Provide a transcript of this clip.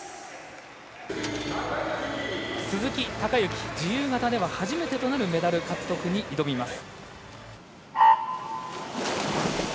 鈴木孝幸、自由形では初めてとなるメダル獲得に挑みます。